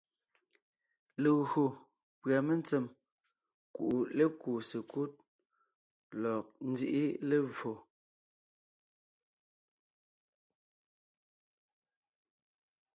Legÿo pʉ́a mentsèm kuʼu lékúu sekúd lɔg nzíʼi levfò,